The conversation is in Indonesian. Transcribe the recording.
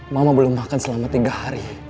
mama belum makan selama tiga hari